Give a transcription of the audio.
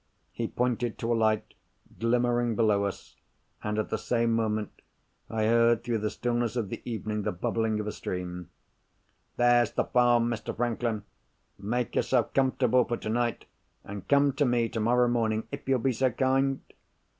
He pointed to a light, glimmering below us; and, at the same moment, I heard through the stillness of the evening the bubbling of a stream. 'There's the Farm, Mr. Franklin! Make yourself comfortable for tonight, and come to me tomorrow morning if you'll be so kind?